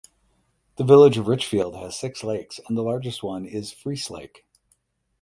The village of Richfield has six lakes and the largest one is Friess Lake.